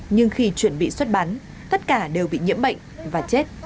nhưng khi chuẩn bị xuất bán tất cả đều bị nhiễm bệnh và chết